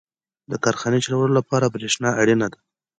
• د کارخانې چلولو لپاره برېښنا اړینه ده.